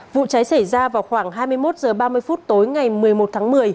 vụ cháy xảy ra vào khoảng hai mươi một h ba mươi phút tối ngày một mươi một tháng một mươi